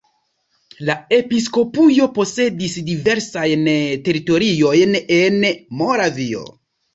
La episkopujo posedis diversajn teritoriojn en Moravio.